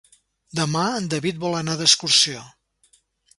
Demà en David vol anar d'excursió.